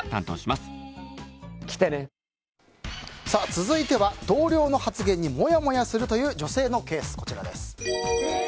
続いては同僚の発言にモヤモヤするという女性のケース、こちらです。